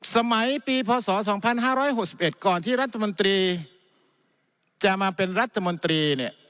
สมัยปีพศ๒๕๖๑ก่อนที่รัฐมนตรีจะมาเป็นรัฐมนตรีเนี่ย